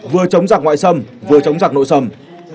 vừa chống giặc ngoại xâm vừa chống giặc nội sầm